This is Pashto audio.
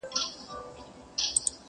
له پاڼو تشه ونه!.